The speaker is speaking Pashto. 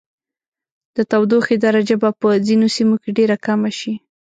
د تودوخې درجه به په ځینو سیمو کې ډیره کمه شي.